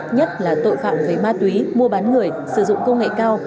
nhất là tội phạm về ma túy mua bán người sử dụng công nghệ cao